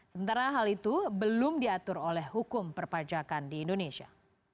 sementara hal itu belum diatur oleh hukum perpajakan di indonesia